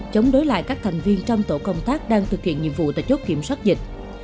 chống đối lại các thành viên trong tổ công tác đang thực hiện nhiệm vụ tại chốt kiểm soát dịch